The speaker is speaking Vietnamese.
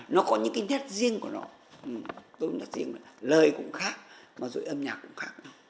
nó có những cái nét riêng của nó lời cũng khác và rồi âm nhạc cũng khác